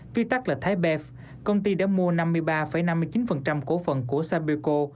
vi tắc là thái bèp công ty đã mua năm mươi ba năm mươi chín cổ phận của sapeco